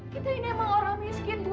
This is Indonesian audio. kita ini emang orang miskin bu